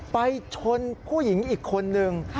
ไปชนผู้หญิงอีกคนนึง